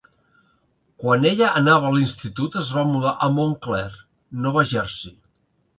Quan ella anava a l'institut, es va mudar a Montclair, Nova Jersey.